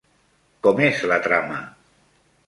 Com és la trama?